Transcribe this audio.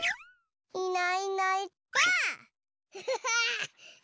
いないいないばあっ！